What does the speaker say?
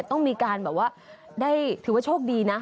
ต้องมีการแบบว่าได้ถือว่าโชคดีนะ